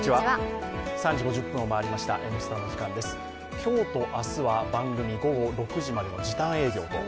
今日と明日は番組、午後６時までの時短営業と。